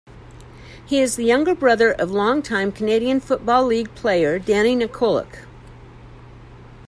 He is the younger brother of longtime Canadian Football League player Danny Nykoluk.